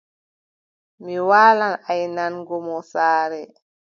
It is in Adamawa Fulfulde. Mi waalan aynango mo saare.